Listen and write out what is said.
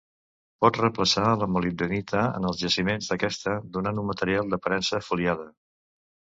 Pot reemplaçar a la molibdenita en els jaciments d'aquesta, donant un material d'aparença foliada.